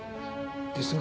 ですが。